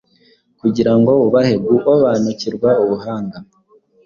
Kugirango ubahe guobanukirwa ubuhanga